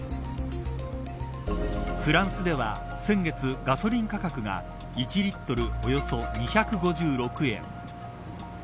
フランスでは先月ガソリン価格が１リットルおよそ２５６円。